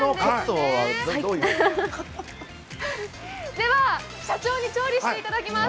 では、社長に調理してもらいます！